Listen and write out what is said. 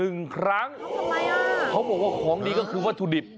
เขาทำอะไรอ่ะเขาบอกว่าของดีก็คือว่าทุดิบ